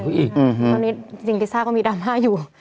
ตอนนี้ลิซ่าก็มีดราม่าอยู่